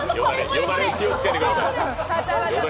よだれに気をつけてください。